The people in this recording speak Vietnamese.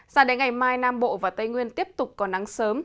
giả đánh ngày mai nam bộ và tây nguyên tiếp tục có nắng sớm